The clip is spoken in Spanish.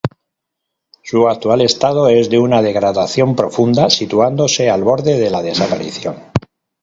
Su actual estado es de una degradación profunda, situándose al borde de la desaparición.